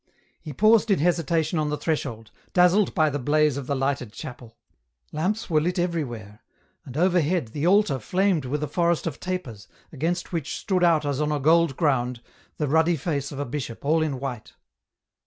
He paused in hesitation on the threshold, dazzled by the blaze of the lighted chapel. Lamps were lit everywhere, and overhead the altar flamed with a forest of tapers against which stood out as on a gold ground, the ruddy face of a bishop all in white.